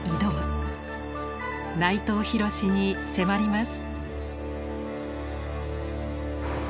内藤廣に迫ります。